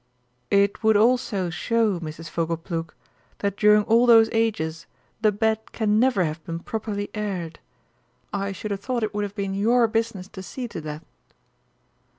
"It would also show, Mrs. Fogleplug, that during all those ages the bed can never have been properly aired. I should have thought it would have been your business to see to that."